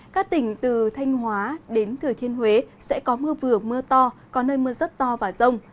các tỉnh từ thanh hóa đến thừa thiên huế sẽ có mưa vừa mưa to có nơi mưa rất to và rông